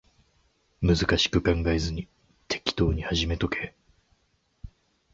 難しく考えずに適当に始めとけ